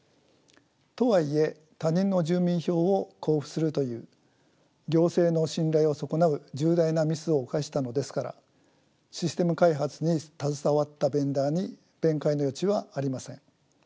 とはいえ他人の住民票を交付するという行政の信頼を損なう重大なミスを犯したのですからシステム開発に携わったベンダーに弁解の余地はありません。